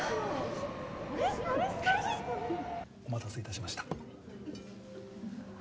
お待たせ致しました。